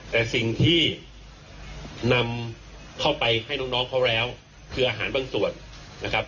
แต่สิ่งที่นำเข้าไปให้น้องเขาแล้วคืออาหารบางส่วนนะครับ